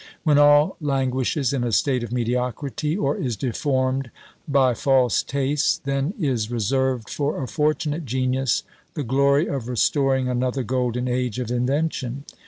When all languishes in a state of mediocrity, or is deformed by false tastes, then is reserved for a fortunate genius the glory of restoring another golden age of invention.